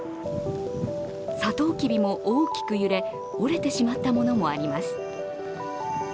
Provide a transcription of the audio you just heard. サトウキビも大きく揺れ折れてしまったものもあります。